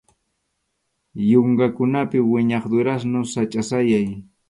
Yunkakunapi wiñaq durazno sachʼa sayay.